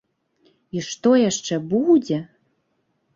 І што яшчэ будзе!